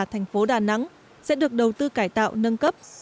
tp đà nẵng sẽ được đầu tư cải tạo nâng cấp